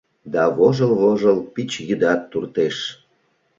Да вожыл-вожыл пич йӱдат туртеш.